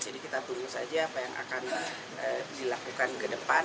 jadi kita tunggu saja apa yang akan dilakukan ke depan